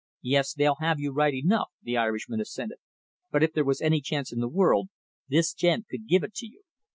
"Yes, they'll have you right enough," the Irishman assented; "but if there was any chance in the world, this gent could give it to you.